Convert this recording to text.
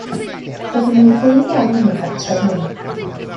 Byddwn ni yn glyd iawn yn ein cartref newydd.